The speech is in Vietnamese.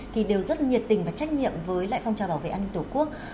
thì đều rất nhiệt tình và trách nhiệm với lại phong trào bảo vệ an ninh tổ quốc